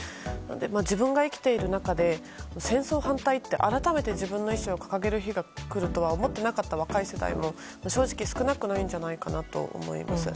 自分が生きている中で戦争反対って改めて自分の意思を掲げる日が来るとは思っていなかった若い世代も正直少なくないんじゃないかなと思います。